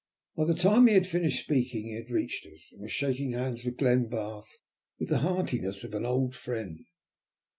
By the time he had finished speaking he had reached us, and was shaking hands with Glenbarth with the heartiness of an old friend.